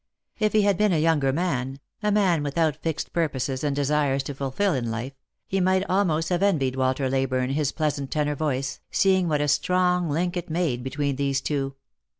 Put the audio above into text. If he had been a younger man — a man without fixed purposes and desires to fulfil in life — he might almost have envied Walter Leyburne his pleasant tenor voice, seeing what a strong link it made between these two.